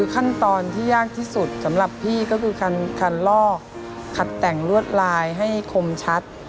ขั้นตอนที่ยากที่สุดสำหรับพี่ก็คือการลอกขัดแต่งลวดลายให้คมชัด